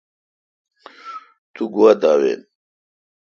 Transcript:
تو گوا دا وین۔